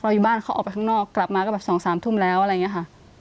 อยู่บ้านเขาออกไปข้างนอกกลับมาก็แบบ๒๓ทุ่มแล้วอะไรอย่างนี้ค่ะ